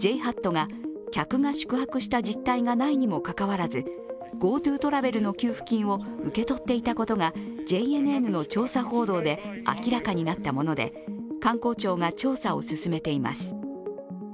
ＪＨＡＴが客が宿泊した実体がないにもかかわらず、ＧｏＴｏトラベルの給付金を受け取っていたことがＪＮＮの調査報道で明らかになったもので、観光庁が調査を進めています。